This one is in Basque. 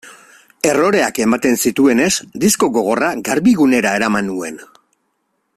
Erroreak ematen zituenez, disko gogorra Garbigunera eraman nuen.